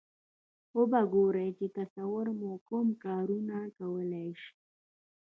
و به ګورئ چې تصور مو کوم کارونه کولای شي.